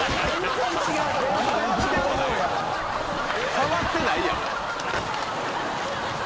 「触ってないやん」